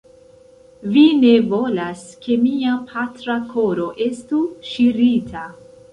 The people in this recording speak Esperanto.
Vi ne volas, ke mia patra koro estu ŝirita.